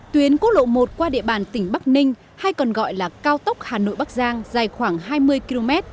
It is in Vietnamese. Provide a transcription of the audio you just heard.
tuyến quốc lộ một qua địa bàn tỉnh bắc ninh hay còn gọi là cao tốc hà nội bắc giang dài khoảng hai mươi km